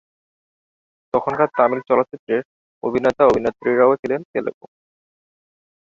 তখনকার তামিল চলচ্চিত্রের অভিনেতা-অভিনেত্রীরাও ছিলেন তেলুগু।